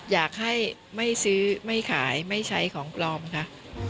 อยากให้ไม่ซื้อไม่ขายไม่ใช้ของปลอมค่ะ